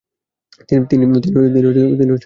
তিনি ধৈর্য ধারণ করেছেন।